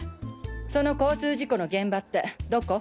その交通事故の現場ってどこ？